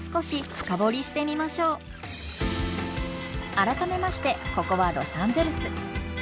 改めましてここはロサンゼルス。